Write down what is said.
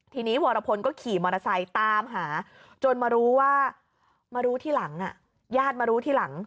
ทีนี้วรพลก็ขี่มอเตอร์ไซค์ตามหาจนมารู้ว่ามารู้ทีหลังญาติมารู้ทีหลัง